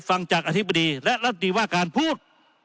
ฟังจากอธิบดีและรัฐดีว่าการพูด